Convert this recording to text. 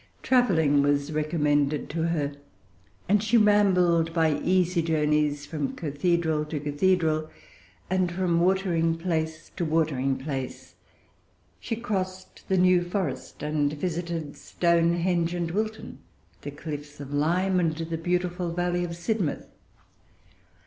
Travelling was recommended to her; and she rambled by easy journeys from cathedral to cathedral, and from watering place to watering place. She crossed the New Forest, and visited Stonehenge and Wilton, the cliffs of Lyme, and the beautiful valley of Sidmouth.